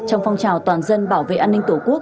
trong phong trào toàn dân bảo vệ an ninh tổ quốc